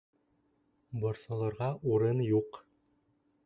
Борсолорға урын юҡ